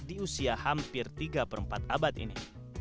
di usia hampir tiga per empat abad ini